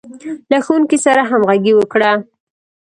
له ښوونکي سره همغږي وکړه.